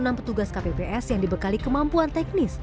dalam pertugas kpps yang dibekali kemampuan teknis